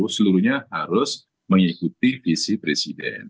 seluruhnya harus mengikuti visi presiden